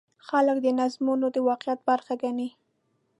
خلک دا نظمونه د واقعیت برخه ګڼي.